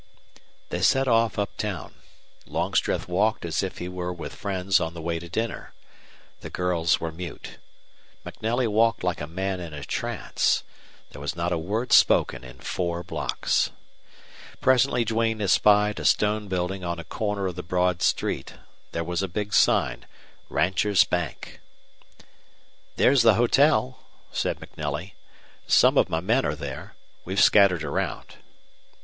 They set off up town. Longstreth walked as if he were with friends on the way to dinner. The girls were mute. MacNelly walked like a man in a trance. There was not a word spoken in four blocks. Presently Duane espied a stone building on a corner of the broad street. There was a big sign, "Rancher's Bank." "There's the hotel," said MacNelly. "Some of my men are there. We've scattered around."